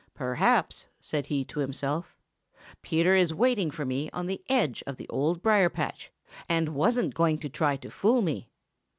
"Perhaps," said he to himself, "Peter is waiting for me on the edge of the Old Briar patch and wasn't going to try to fool me."